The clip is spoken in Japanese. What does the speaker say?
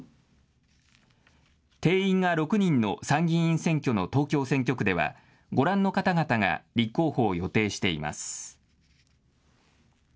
定員が６人の参議院選挙の東京選挙区ではご覧の方々が立候補を予定しています。